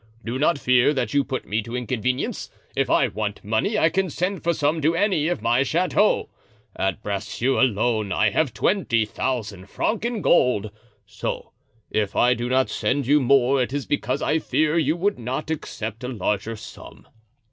Do not fear that you put me to inconvenience; if I want money I can send for some to any of my chateaux; at Bracieux alone, I have twenty thousand francs in gold. So, if I do not send you more it is because I fear you would not accept a larger sum.